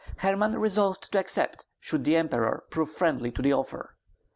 Herman resolved to accept, should the Emperor prove friendly to the offer.